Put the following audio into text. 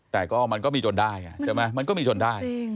แต่ก็มันก็มีจนได้ไงใช่ไหมมันก็มีจนได้